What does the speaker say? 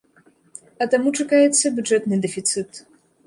А таму чакаецца бюджэтны дэфіцыт.